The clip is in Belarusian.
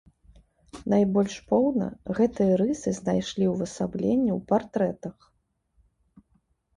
Найбольш поўна гэтыя рысы знайшлі ўвасабленне ў партрэтах.